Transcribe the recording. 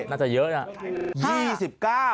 น่าจะเยอะนะ